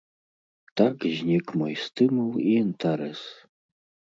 Так знік мой стымул і інтарэс.